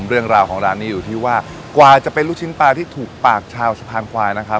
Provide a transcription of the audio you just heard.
เรื่องราวของร้านนี้อยู่ที่ว่ากว่าจะเป็นลูกชิ้นปลาที่ถูกปากชาวสะพานควายนะครับ